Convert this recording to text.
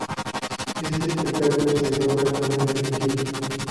Este espectáculo se encuentra actualmente en gira.